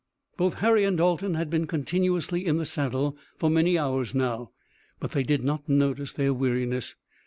Both Harry and Dalton had been continuously in the saddle for many hours now, but they did not notice their weariness.